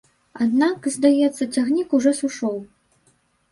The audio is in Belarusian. Аднак, здаецца, цягнік ужо сышоў.